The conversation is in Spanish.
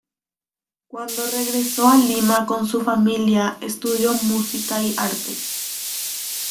Cuando regresó a Lima con su familia estudió música y arte.